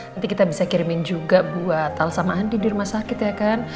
nanti kita bisa kirimin juga buat al sama andi di rumah sakit ya kan